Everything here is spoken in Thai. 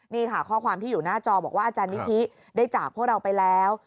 นี่ค่ะข้อความที่อยู่หน้าจอบอกว่าอาจารย์นิธิได้จากพวกเราไปแล้ว